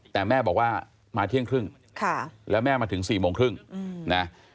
แต่แม่บอกว่ามาเที่ยงครึ่งแล้วแม่มาถึง๔โมงครึ่งนะ